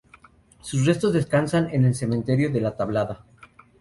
Sus restos descansan en el Cementerio de La Tablada.